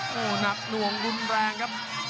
โอ้โหหนักหน่วงรุนแรงครับ